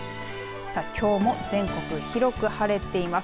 きょうも全国広く晴れています。